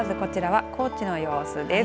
まず、こちらは高知の様子です。